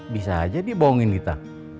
bisa aja dibohongin kita